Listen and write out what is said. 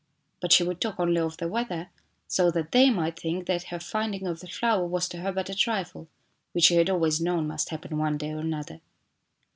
But she would talk only of the weather so that they mignt think that her finding of the flower was to her bu a trifle which she had always known must happen one day or another.